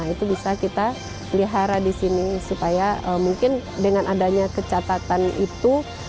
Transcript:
itu bisa kita pelihara di sini supaya mungkin dengan adanya kecatatan itu